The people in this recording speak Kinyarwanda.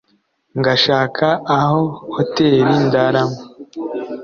ngashaka aho hoteri ndaramo